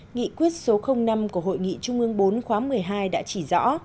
nghị quyết số năm của hội nghị trung ương bốn khóa một mươi hai đã chỉ rõ